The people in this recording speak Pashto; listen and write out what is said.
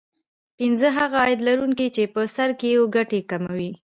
پینځه هغه عاید لرونکي چې په سر کې وو ګټې کموي